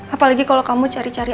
apalagi kalau kamu cari cari